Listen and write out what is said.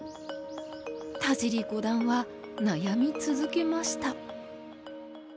田尻五段は悩み続けました。